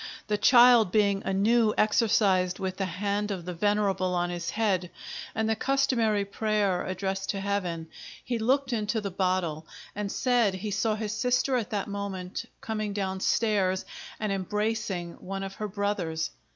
The child being anew exorcised with the hand of the Venerable on his head, and the customary prayer addressed to Heaven, he looked into the Bottle, and said he saw his sister at that moment coming down stairs, and embracing one of her brothers.